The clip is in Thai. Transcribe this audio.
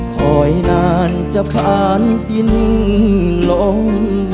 คอยนานจะผ่านกินลง